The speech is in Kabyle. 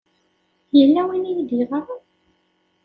Yella win ay iyi-d-yeɣran?